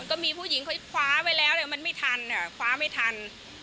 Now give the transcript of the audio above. ก็มีผู้หญิงเขาคว้าไว้แล้วมันไม่ทันคว้าไม่ทัน